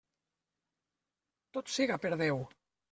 Tot siga per Déu!